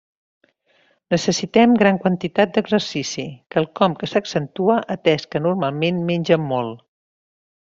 Necessiten gran quantitat d'exercici, quelcom que s'accentua atès que normalment mengen molt.